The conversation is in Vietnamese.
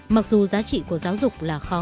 mặc dù giá trị của giáo dục là khó